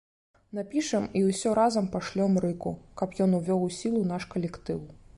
Напішам і ўсё разам пашлём рыку, каб ён увёў у сілу наш калектыў.